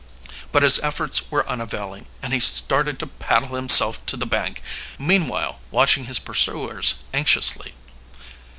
But his efforts were unavailing, and he started to paddle himself to the bank, meanwhile watching his pursuers anxiously.